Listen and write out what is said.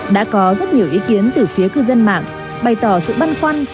đã có rất nhiều ý kiến từ phía cư dân mạng bày tỏ sự băn khoăn